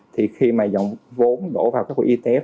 thì khi mà dòng vốn đổ vào các quỹ etf